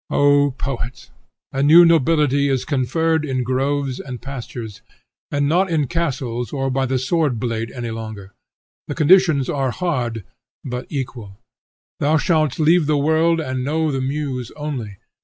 O poet! a new nobility is conferred in groves and pastures, and not in castles or by the sword blade any longer. The conditions are hard, but equal. Thou shalt leave the world, and know the muse only.